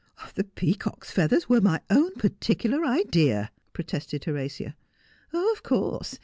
' The peacocks' feathers were my own particular idea,' pro tested Horatia. ' Of course.